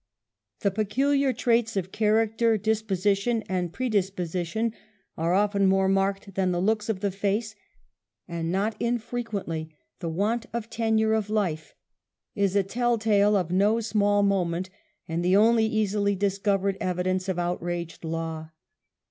The peculiar traits of character, disposition and predisposition are often more marked than the looks of the face, and not unfrequently the Avant of tenure of life is a telltale of no small moment, and the only easily discovered evidence of outraged law.